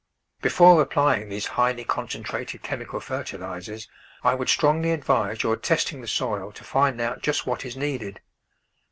Before applying these highly concentrated chemical fertilisers I would strongly advise your testing the soil to find out just what is needed.